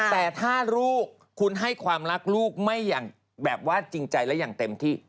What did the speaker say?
แต่ถ้าลูกคุณให้ความรักลูกไม่อย่างแบบว่าจริงใจและอย่างเต็มที่